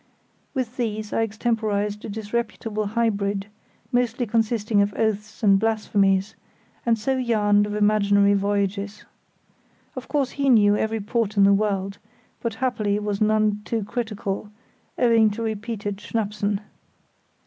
With these I extemporised a disreputable hybrid, mostly consisting of oaths and blasphemies, and so yarned of imaginary voyages. Of course he knew every port in the world, but happily was none too critical, owing to repeated _schnappsen.